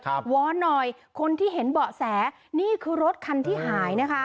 วอนหน่อยคนที่เห็นเบาะแสนี่คือรถคันที่หายนะคะ